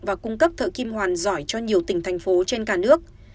và cung cấp thợ kim hoàn giỏi cho nhiều tỉnh thành phố trên cả nước